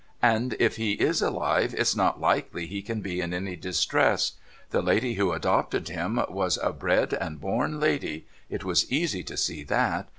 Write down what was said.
And, if he is alive, it's not likely he can be in any distress. The lady who adopted him was a bred and born lady — it was easy to see that.